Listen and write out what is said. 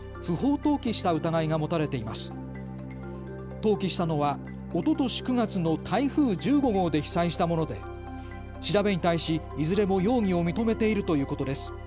投棄したのはおととし９月の台風１５号で被災したもので調べに対しいずれも容疑を認めているということです。